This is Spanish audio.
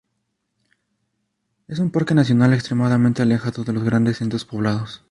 Es un parque nacional extremadamente alejado de los grandes centros poblados.